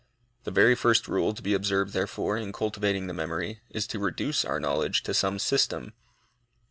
The very first rule to be observed, therefore, in cultivating the memory, is to reduce our knowledge to some system.